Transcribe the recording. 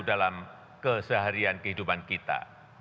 dalam keseharian kehidupan kita